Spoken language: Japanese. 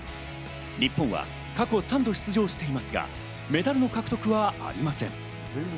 日本は過去３度出場していますが、メダルの獲得はありません。